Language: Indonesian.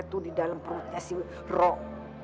itu di dalam perutnya si rok